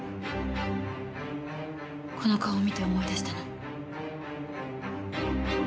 この顔を見て思い出したの？